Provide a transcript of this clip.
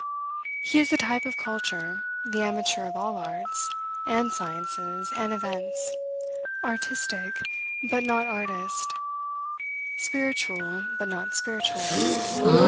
He is the type of culture, the amateur of all arts, and sciences, and events; artistic, but not artist; spiritual, but not spiritualist.